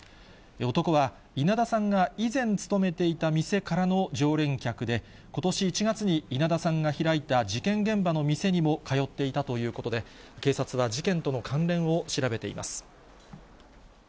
男は稲田さんが以前勤めていた店からの常連客で、ことし１月に稲田さんが開いた事件現場の店にも通っていたということで、警察は事件との関連を調べています。